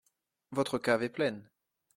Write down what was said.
Votre cave est pleine.